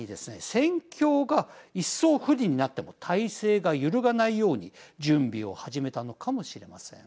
戦況が一層、不利になっても体制が揺るがないように準備を始めたのかもしれません。